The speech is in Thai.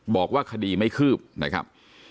บอกว่าคดีไม่คืบนะครับ